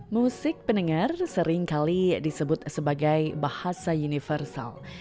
musik pendengar seringkali disebut sebagai bahasa universal